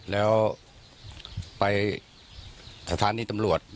แล้วไปสถานีตำรวจ